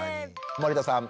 森田さん